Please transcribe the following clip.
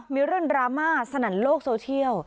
มีเรื่องดราม่าสนั่นโลกโซเชียล